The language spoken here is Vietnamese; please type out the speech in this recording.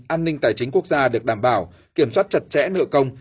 an ninh tài chính quốc gia được đảm bảo kiểm soát chặt chẽ nợ công